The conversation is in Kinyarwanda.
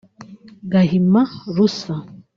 Gahima Rusa